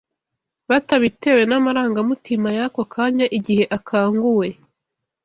batabitewe n’amarangamutima y’ako kanya igihe akanguwe